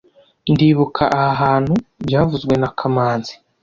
Ndibuka aha hantu byavuzwe na kamanzi